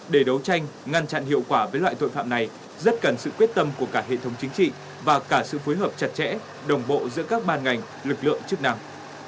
để đấu tranh ngăn chặn hiệu quả với loại tội phạm này rất cần sự quyết tâm của cả hệ thống chính trị và cả sự phối hợp chặt chẽ đồng bộ giữa các ban ngành lực lượng chức năng